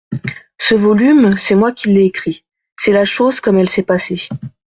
Ce volume, c'est moi qui l'ai écrit ; c'est la chose comme elle s'est passée.